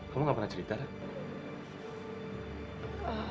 kamu nggak pernah cerita rat